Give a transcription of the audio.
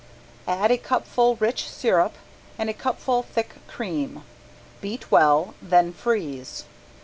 Add a cupful rich sirup and a cupful thick cream, beat well, then freeze.